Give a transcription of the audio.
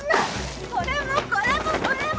これもこれもこれも！